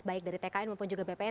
baik dari tkn maupun juga bpn